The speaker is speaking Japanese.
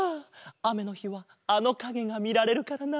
あめのひはあのかげがみられるからな。